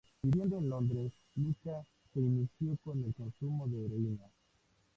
Viviendo en Londres, Luca se inició en el consumo de heroína.